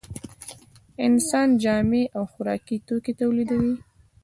انسان جامې او خوراکي توکي تولیدوي